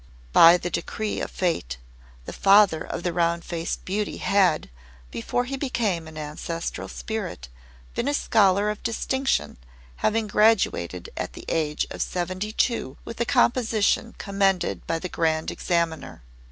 By the decree of Fate, the father of the Round Faced Beauty had, before he became an ancestral spirit, been a scholar of distinction, having graduated at the age of seventy two with a composition commended by the Grand Examiner.